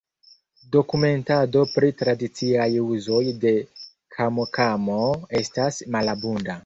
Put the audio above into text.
Dokumentado pri tradiciaj uzoj de kamokamo estas malabunda.